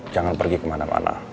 jangan pergi kemana mana